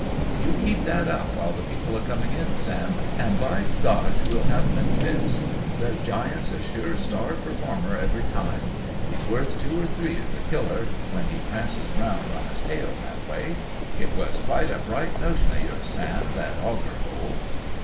"You keep that up while the people are coming in, Sam, an' by gosh we'll have 'em in fits. The Giant's a sure star performer, every time. He's worth two or three of the Killer, when he prances round on his tail that way. It was quite a bright notion o' yours, Sam, that auger hole."